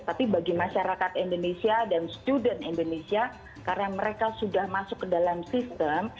tapi bagi masyarakat indonesia dan student indonesia karena mereka sudah masuk ke dalam sistem